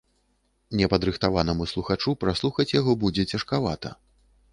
Непадрыхтаванаму слухачу праслухаць яго будзе цяжкавата.